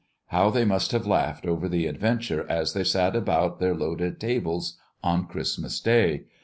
How they must have laughed over the adventure as they sat about their loaded tables on Christmas day!